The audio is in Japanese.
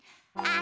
あ！